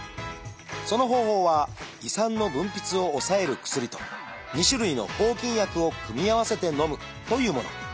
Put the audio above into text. その方法は胃酸の分泌を抑える薬と２種類の抗菌薬を組み合わせてのむというもの。